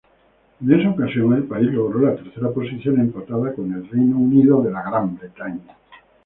En esa ocasión el país logró la tercera posición, empatada con el Reino Unido.